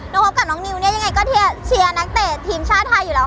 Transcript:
พบกับน้องนิวเนี่ยยังไงก็เชียร์นักเตะทีมชาติไทยอยู่แล้ว